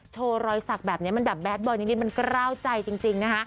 รอยสักแบบนี้มันแบบแดดบอยนิดมันกล้าวใจจริงนะคะ